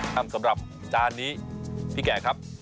สำหรับจานนี้พี่แก่ครับ